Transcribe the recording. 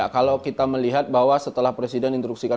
kalau kita melihat bahwa setelah presiden instruksikan